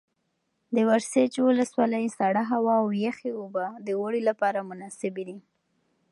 د ورسج ولسوالۍ سړه هوا او یخې اوبه د اوړي لپاره مناسبې دي.